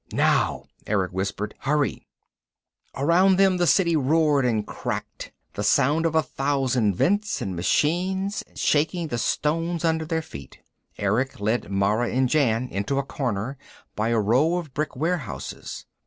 "Now," Erick whispered. "Hurry." Around them the City roared and cracked, the sound of a thousand vents and machines, shaking the stones under their feet. Erick led Mara and Jan into a corner, by a row of brick warehouses.